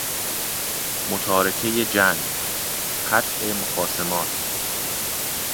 متارکهی جنگ، قطع مخاصمات